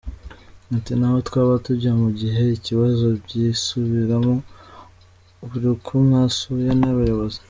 Ati “Ntaho twaba tujya mu gihe ibibazo byisubiramo buri uko mwasuwe n’abayobozi.